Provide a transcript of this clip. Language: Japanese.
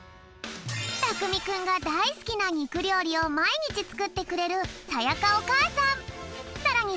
たくみくんがだいすきなにくりょうりをまいにちつくってくれるさやかおかあさん。